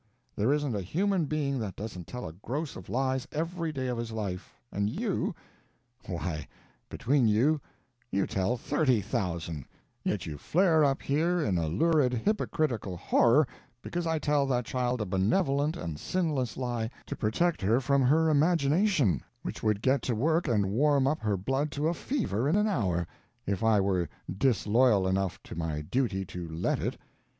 There isn't a human being that doesn't tell a gross of lies every day of his life; and you why, between you, you tell thirty thousand; yet you flare up here in a lurid hypocritical horror because I tell that child a benevolent and sinless lie to protect her from her imagination, which would get to work and warm up her blood to a fever in an hour, if I were disloyal enough to my duty to let it.